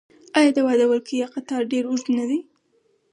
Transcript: آیا د واده ولکۍ یا قطار ډیر اوږد نه وي؟